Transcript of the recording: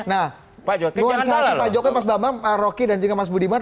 nah nuansa hati pak jokowi pak jokowi pak roky dan juga mas budiman